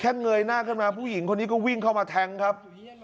เงยหน้าขึ้นมาผู้หญิงคนนี้ก็วิ่งเข้ามาแทงครับ